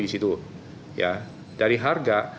di situ dari harga